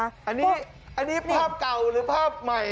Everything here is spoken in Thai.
อันนี้ภาพเก่าหรือภาพใหม่